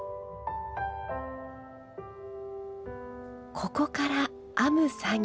ここから編む作業。